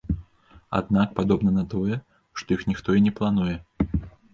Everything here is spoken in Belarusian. Аднак падобна на тое, што іх ніхто і не плануе.